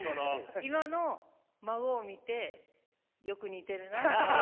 今の孫を見てよく似てるなって。